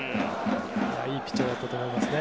いいピッチャーだと思いますね。